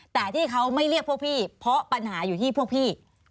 แต่ที่เขาไม่เรียกพวกพี่เพราะปัญหาอยู่ที่พวกพี่